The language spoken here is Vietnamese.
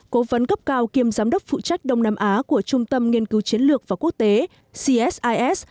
cố vấn cấp cao kiêm giám đốc phụ trách đông nam á của trung tâm nghiên cứu chiến lược và quốc tế csis